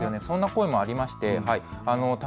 そんな声もありました。